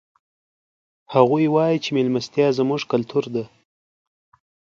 هغوی وایي چې مېلمستیا زموږ کلتور ده